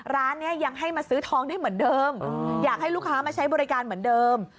ร้านนี้ยังให้มาซื้อทองได้เหมือนเดิมอยากให้ลูกค้ามาใช้บริการเหมือนเดิม